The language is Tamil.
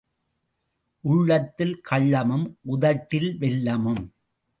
உள்ளத்தில் கள்ளமும், உதட்டில் வெல்லமும்.